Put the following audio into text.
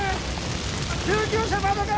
救急車まだか？